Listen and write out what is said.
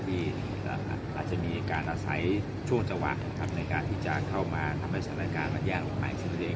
ที่อาจจะมีการอาศัยช่วงจัวร์ในการที่จะเข้ามาทำลักษณะการมันแย่ลงของฝ่ายอักษริริยัง